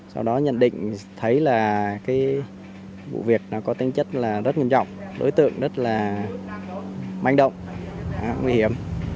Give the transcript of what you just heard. sau đó nhận định thấy là cái vụ việc có tính chất là rất nghiêm trọng đối tượng rất là manh động nguy hiểm